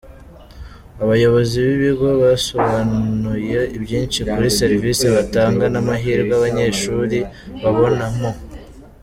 Abayobozi b'ibigo basobanuye byinshi kuri serivisi batanga n'amahirwe abanyeshuri babonamo.